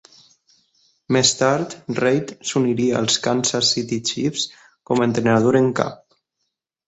Més tard, Reid s'uniria als Kansas City Chiefs com a entrenador en cap.